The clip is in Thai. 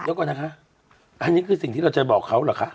เดี๋ยวก่อนนะคะอันนี้คือสิ่งที่เราจะบอกเขาเหรอคะ